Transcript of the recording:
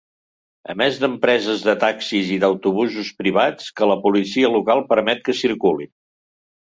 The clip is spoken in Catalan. A més d'empreses de taxis i d'autobusos privats, que la policia local permet que circulin.